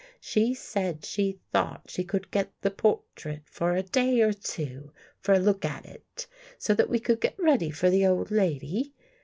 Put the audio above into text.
She said she thought she could get the portrait for a day or two, for a look at it, so that we could get ready for the old lady.